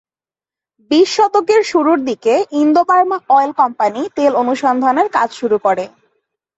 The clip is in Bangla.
বিশ শতকের শুরুর দিকে ইন্দো-বার্মা অয়েল কোম্পানি তেল অনুসন্ধানের কাজ শুরু করে।